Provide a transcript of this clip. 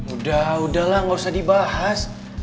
udah udahlah nggak usah dibahas